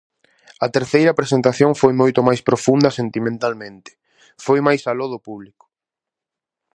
A terceira presentación foi moito máis profunda sentimentalmente; foi máis aló do público.